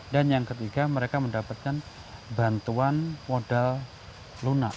dan yang ketiga mereka mendapatkan bantuan modal lunak